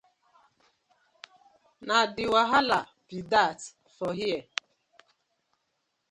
Na de wahala bi dat for here.